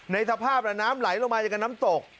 ในสภาพน้ำไหลลงมาจากน้ำตก